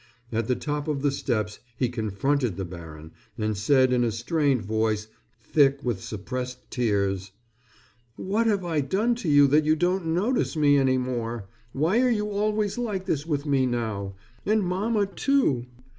At the top of the steps he confronted the baron and said in a strained voice, thick with suppressed tears: "What have I done to you that you don't notice me any more? Why are you always like this with me now? And mamma, too?